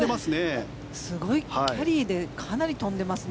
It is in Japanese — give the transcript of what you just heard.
すごいキャリーでかなり飛んでますね。